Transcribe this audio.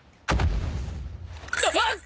・あっ！？